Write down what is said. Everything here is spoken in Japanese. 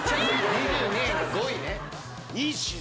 ・２２円が５位ね。